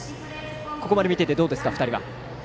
ここまで見ていて、どうですか２人は。